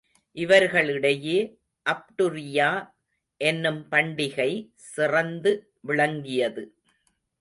இவர்களிடையே அப்டுரியா என்னும் பண்டிகை சிறந்து விளங்கியது.